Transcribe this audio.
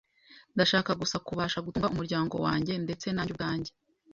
Ndashaka gusa kubasha gutunga umuryango wanjye ndetse nanjye ubwanjye .